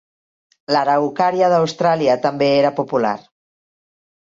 L'araucària d'Austràlia també era popular.